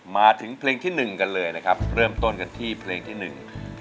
มาถึงเพลงที่หนึ่งกันเลยนะครับเริ่มต้นกันที่เพลงที่หนึ่ง